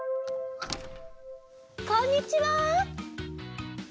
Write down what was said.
こんにちは！